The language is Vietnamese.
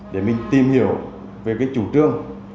để mình tìm hiểu về cái chủ trương